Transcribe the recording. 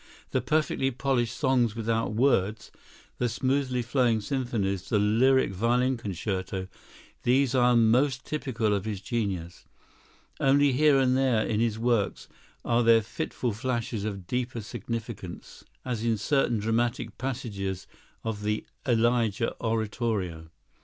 The perfectly polished "Songs without Words," the smoothly flowing symphonies, the lyric violin concerto—these are most typical of his genius. Only here and there in his works are there fitful flashes of deeper significance, as in certain dramatic passages of the "Elijah" oratorio.